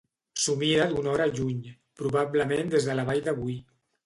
S'ho mira d'una hora lluny, probablement des de la vall de Boí.